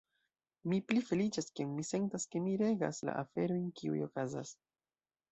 Mi pli feliĉas, kiam mi sentas ke mi regas la aferojn, kiuj okazas.